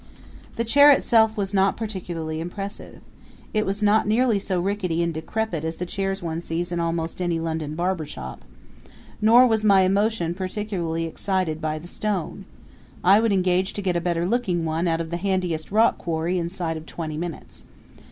The chair itself was not particularly impressive. It was not nearly so rickety and decrepit as the chairs one sees in almost any London barber shop. Nor was my emotion particularly excited by the stone. I would engage to get a better looking one out of the handiest rock quarry inside of twenty minutes.